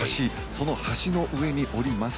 その橋の上におります。